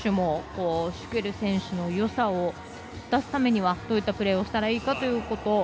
ですので一緒にペアを組む選手もシュケル選手のよさを出すためにはどういったプレーをしたらいいかということ。